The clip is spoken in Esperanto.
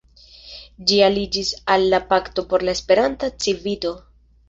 Ĝi aliĝis al la Pakto por la Esperanta Civito.